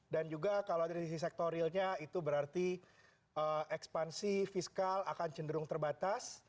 dan juga kalau dari sisi sektor realnya itu berarti ekspansi fiskal akan cenderung terbatas